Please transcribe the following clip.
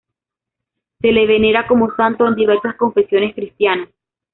Se le venera como santo en diversas confesiones cristianas.